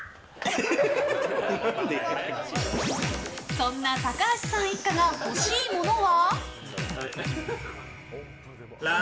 そんな高橋さん一家が欲しいものは。